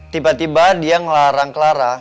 tiba tiba dia ngelarang clara